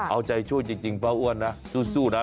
เอาใจช่วยจริงเพราะว่าอ้วนนะสู้นะ